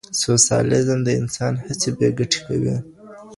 سوسیالیزم د انسان هڅې بې ګټې کوي.